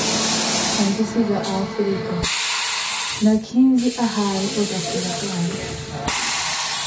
Hantisi zaWafrika: Nakhinzi ahari ottakhulaye.